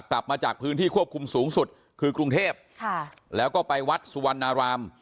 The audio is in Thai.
กลับมาจากพื้นที่ควบคุมสูงสุดคือกรุงเทพค่ะแล้วก็ไปวัดสุวรรณราม